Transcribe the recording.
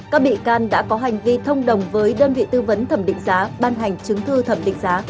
các bị can đã có hành vi thông đồng với đơn vị tư vấn thẩm định giá ban hành chứng thư thẩm định giá